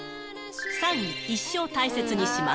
３位、一生大切にします。